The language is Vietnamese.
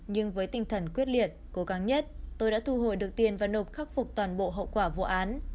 nhưng với tinh thần quyết liệt cố gắng nhất tôi đã thu hồi được tiền và nộp khắc phục toàn bộ hậu quả vụ án